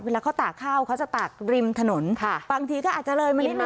เวลาเขาตากข้าวเขาจะตากริมถนนค่ะบางทีก็อาจจะเลยมานิดน